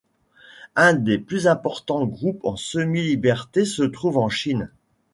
Un des plus importants groupes en semi-liberté se trouve en Chine.